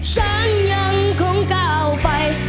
ฉันยังคงก้าวไป